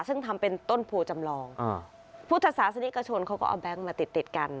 ซึ่งทำเป็นต้นโผล่จำลองอ่าผู้ทัศนิกชนเขาก็เอาแบงค์มาติดติดกัน